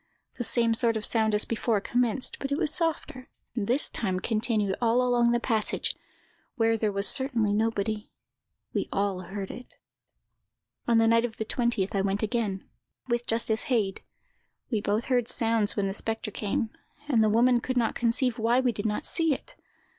The same sort of sound as before commenced, but it was softer, and this time continued all along the passage, where there was certainly nobody. We all heard it. "On the night of the 20th I went again, with Justice Heyd. We both heard sounds when the spectre came, and the woman could not conceive why we did not see it.